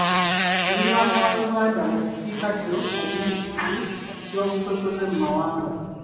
Muliraanwa wa Uganda mu bukiikaddyo alina ekizibu ky'obusosoze mu mawanga.